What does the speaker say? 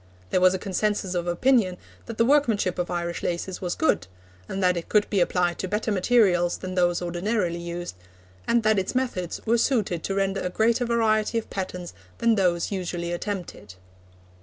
There was a consensus of opinion that the workmanship of Irish laces was good, and that it could be applied to better materials than those ordinarily used, and that its methods were suited to render a greater variety of patterns than those usually attempted.